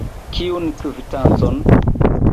Kiun kvitancon?